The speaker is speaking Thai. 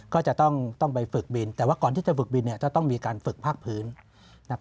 ก็จะต้องไปฝึกบินแต่ว่าก่อนที่จะฝึกบินจะต้องมีการฝึกภาคพื้น